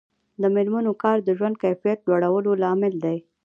د میرمنو کار د ژوند کیفیت لوړولو لامل دی.